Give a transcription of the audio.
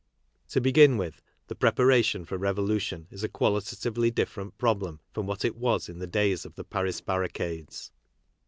To begin with, the preparation for revolution is a qualitatively different problem from what it was in the days of the Paris barricades.